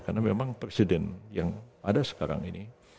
karena memang presiden yang ada sekarang ini